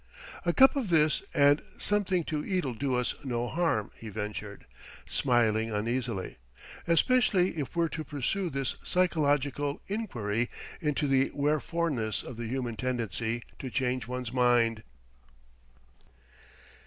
"A cup of this and something to eat'll do us no harm," he ventured, smiling uneasily "especially if we're to pursue this psychological enquiry into the whereforeness of the human tendency to change one's mind!"